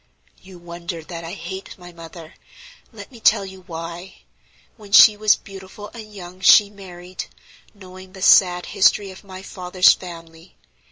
"You wonder that I hate my mother; let me tell you why. When she was beautiful and young she married, knowing the sad history of my father's family.